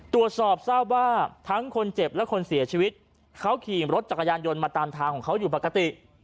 ตรวจสอบทราบว่าทั้งคนเจ็บและคนเสียชีวิตเขาขี่รถจักรยานยนต์มาตามทางของเขาอยู่ปกติ